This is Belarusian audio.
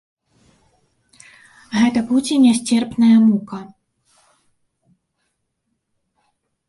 Гэта будзе нясцерпная мука!